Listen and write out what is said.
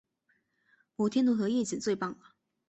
摩天轮和夜景最棒了